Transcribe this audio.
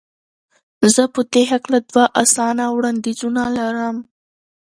زه په دې هکله دوه اسانه وړاندیزونه لرم.